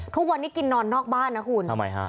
ทุกวันนี้กินนอนนอกบ้านนะคุณทำไมฮะ